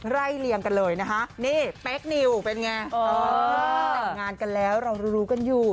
เลี่ยงกันเลยนะคะนี่เป๊คนิวเป็นไงแต่งงานกันแล้วเรารู้กันอยู่